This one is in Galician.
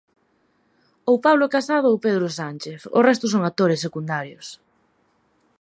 O Pablo Casado o Pedro Sánchez, o resto son actores secundarios.